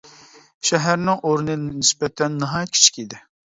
شەھەرنىڭ ئورنى نىسبەتەن ناھايىتى كىچىك ئىدى.